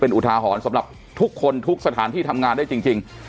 เป็นอุทาหอนสำหรับทุกคนทุกสถานที่ทำงานได้จริงจริง